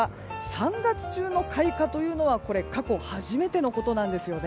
３月中の開花というのは過去初めてのことなんです。